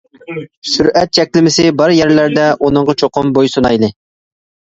سۈرئەت چەكلىمىسى بار يەرلەردە ئۇنىڭغا چوقۇم بوي سۇنايلى.